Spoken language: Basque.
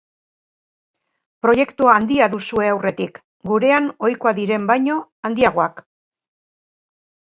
Proiektu handia duzue aurretik, gurean ohikoak diren baino handiagoak.